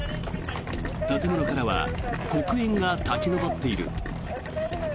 建物からは黒煙が立ち上っている。